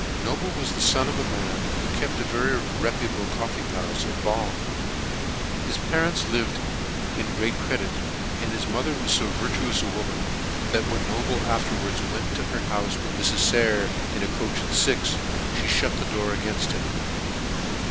Noble was the fon of a man who kept a very reputable coffee houfe at Bath. His parents lived in great credit, and his mother was fo vir tuous a woman, that when Noble afterwards went to her houfe with Mrs. >ayer, in a coach and fix, me fhut tHe door a^ air, ft him.